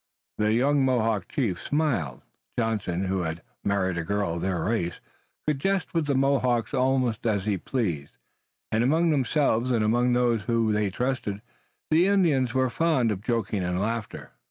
The young Mohawk chieftain smiled. Johnson, who had married a girl of their race, could jest with the Mohawks almost as he pleased, and among themselves and among those whom they trusted the Indians were fond of joking and laughter.